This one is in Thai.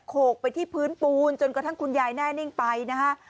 โขกไปที่พื้นปูนจนกระทั่งคุณยายแน่นิ่งไปนะฮะ